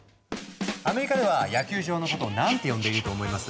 アメリカでは野球場のことを何て呼んでいると思います？